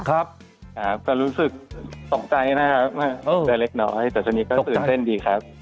ครับครับก็รู้สึกตกใจนะครับแต่เล็กน้อยแต่ตอนนี้ก็ตื่นเต้นดีครับ